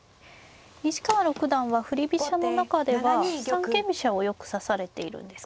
西川六段は振り飛車の中では三間飛車をよく指されているんですか。